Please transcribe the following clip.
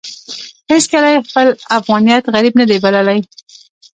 هېڅکله يې خپل افغانيت غريب نه دی بللی.